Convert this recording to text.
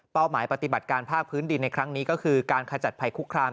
หมายปฏิบัติการภาคพื้นดินในครั้งนี้ก็คือการขจัดภัยคุกคาม